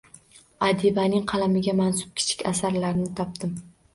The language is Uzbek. Adibaning qalamiga mansub kichik asarlarni topdim